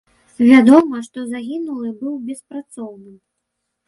Вядома, што загінулы быў беспрацоўным.